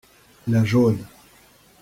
La jaune.